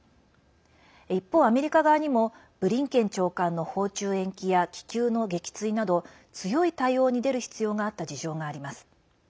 一方、アメリカ側にもブリンケン長官の訪中延期や気球の撃墜など強い対応に出る必要があった事情があります。